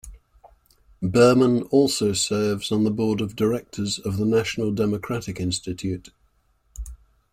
Berman also serves on the Board of Directors of the National Democratic Institute.